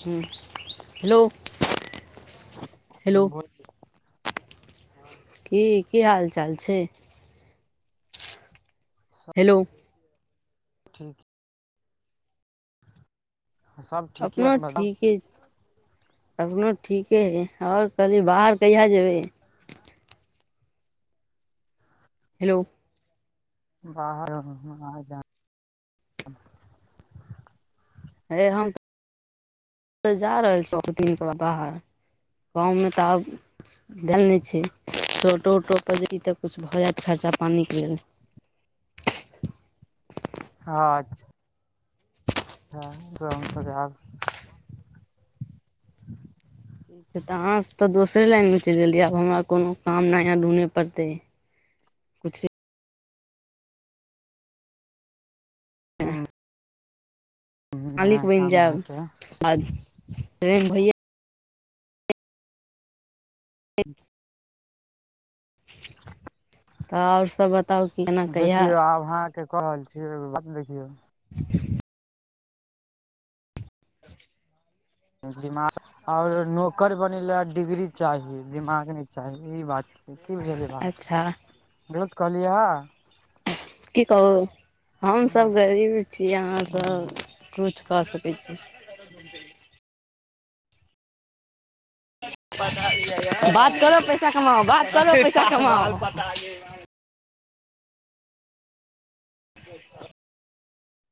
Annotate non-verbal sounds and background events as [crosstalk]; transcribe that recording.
हू hello hello बोल की की हाल चाल छै सब हेलो ठीक सब ठीके अपना अपन बताउ ठीके अपनों ठीके हइ ओर कहलियै बाहर कहिया जेबै हेलो बाहर [unintelligible] हे हम त जा रहल छ दिन मे बाहर गाँव मे तऽ आब देल नय छैय शोटो उटोपर जे ई तऽ किछु भऽ जायत खर्चा पानी के लेल [unintelligible] [unintelligible] तऽ अहाँ तऽ दोसरे लाइन मे चलि गेलियै आब हमरा कोनो काम नया ढूँढ पड़तै कुछ भी हू मालिक बनि काम जायब अहाँके बाद मे भैया त आओर सब बताउ केना कहिया देखियौ आब अहाँ के क रहल छियै यौ बतबे के ये [inaudible] दिमाग आओर नौकर बनैले डिग्री चाही दिमाग नय चाही इ बात कि बुझलियै बात अच्छा विरोध कहलियै हँ की कहू हम सब गरीब छिय अहाँ हम्म। सब कुछ क सकै छी [unintelligible] पता ये बात यार करो पैसा कमाओ बात करो पैसा कमाओ [inaudible]